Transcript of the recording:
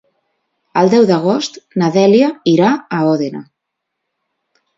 El deu d'agost na Dèlia irà a Òdena.